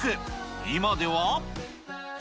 今では。